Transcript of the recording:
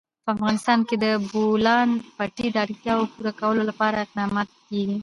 په افغانستان کې د د بولان پټي د اړتیاوو پوره کولو لپاره اقدامات کېږي.